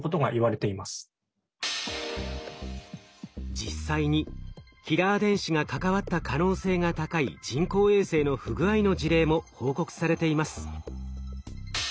実際にキラー電子が関わった可能性が高い人工衛星の不具合の事例も報告されています。